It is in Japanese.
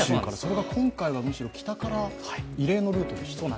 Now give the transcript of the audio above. それが今回はむしろ北から異例のルートになった。